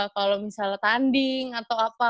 kalau misalnya tanding atau apa